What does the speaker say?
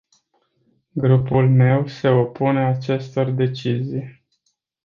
Grupul meu se opune acestor decizii.